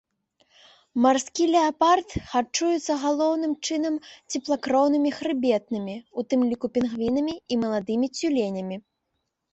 Марскі леапард харчуецца галоўным чынам цеплакроўнымі хрыбетнымі, у тым ліку пінгвінамі і маладымі цюленямі.